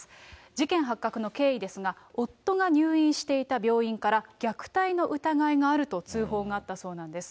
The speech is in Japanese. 事件発覚の経緯ですが、夫が入院していた病院から、虐待の疑いがあると通報があったそうなんです。